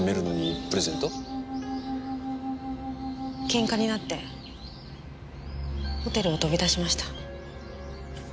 けんかになってホテルを飛び出しました。